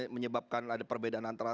menyebabkan ada perbedaan antara